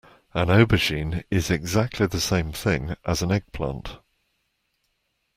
An aubergine is exactly the same thing as an eggplant